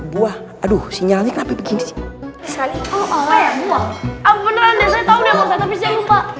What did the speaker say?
buah aduh sinyalnya tapi begini sih